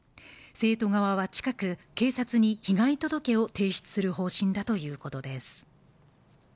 生徒側は近く警察に被害届を提出する方針だということです